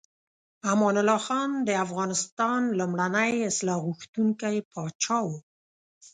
امان الله خان د افغانستان لومړنی اصلاح غوښتونکی پاچا و.